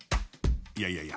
いやいやいや